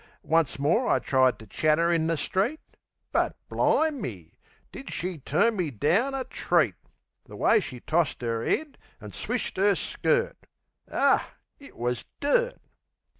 Once more I tried ter chat 'er in the street, But, bli'me! Did she turn me down a treat! The way she tossed 'er 'cad an' swished 'er skirt! Oh, it wus dirt!